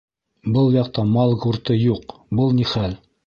Был яҡта мал гурты юҡ, был ни хәл?!